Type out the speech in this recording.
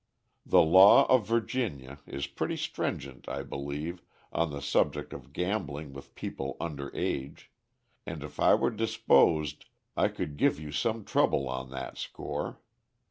The law of Virginia is pretty stringent, I believe, on the subject of gambling with people under age, and if I were disposed I could give you some trouble on that score.